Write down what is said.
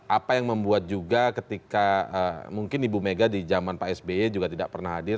apa yang membuat juga ketika mungkin ibu mega di zaman pak sby juga tidak pernah hadir